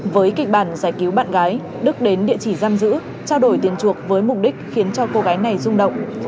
với kịch bản giải cứu bạn gái đức đến địa chỉ giam giữ trao đổi tiền chuộc với mục đích khiến cho cô gái này rung động